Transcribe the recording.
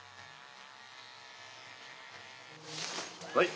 はい。